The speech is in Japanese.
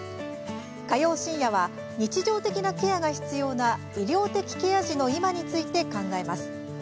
火曜深夜は日常的なケアが必要な医療的ケア児の今について考えます。